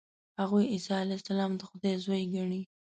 هغوی عیسی علیه السلام د خدای زوی ګڼي.